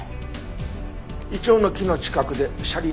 イチョウの木の近くで車輪の跡を見つけた。